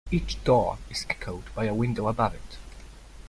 Each door is echoed by a window above it.